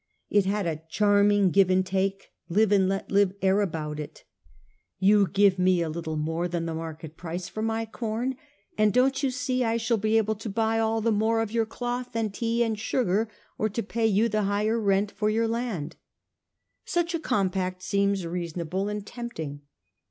It had a charming give and take, live and let live, air about it. ' Y ou give me a little more than the market price for my corn, and don't you see I shall be able to buy all the more of your cloth and tea and sugar, or to pay you the higher rent for your land? ' Such a compact seems reasonable and tempt ing.